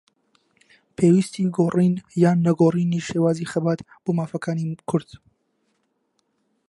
پێویستیی گۆڕین یان نەگۆڕینی شێوازی خەبات بۆ مافەکانی کورد